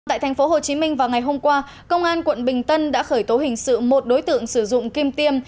tại thành phố hồ chí minh vào ngày hôm qua công an quận bình tân đã khởi tố hình sự một đối tượng sử dụng kim tiêm